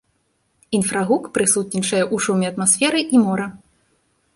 Інфрагук прысутнічае ў шуме атмасферы і мора.